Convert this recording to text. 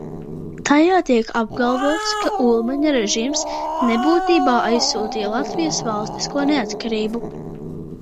Tajā tiek apgalvots, ka Ulmaņa režīms nebūtībā aizsūtīja Latvijas valstisko neatkarību.